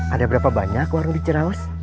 ada berapa banyak warung di ciraos